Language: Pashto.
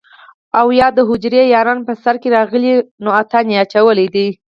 او يا دحجرې ياران په سر کښې راغلي دي نو اتڼ يې اچولے دے